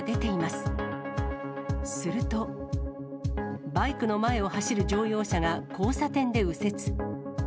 すると、バイクの前を走る乗用車が交差点で右折。